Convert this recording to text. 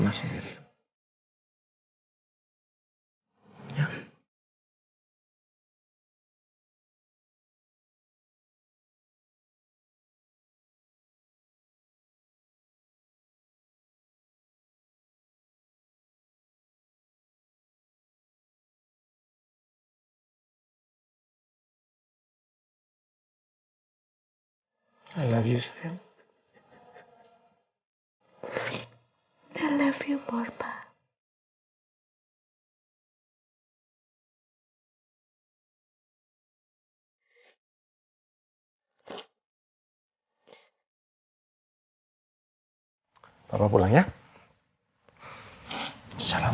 assalamualaikum warahmatullahi wabarakatuh